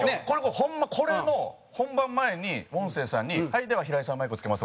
ホンマこれの本番前に音声さんに「はいでは平井さんマイクを付けます」。